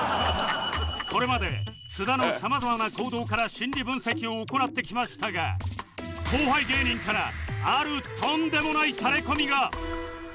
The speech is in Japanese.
これまで津田のさまざまな行動から心理分析を行ってきましたが後輩芸人からあるとんでもないタレコミが！